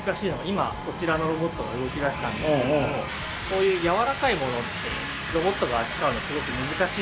今こちらのロボットが動きだしたんですけれどもこういうやわらかい物ってロボットが扱うのすごく難しいんです。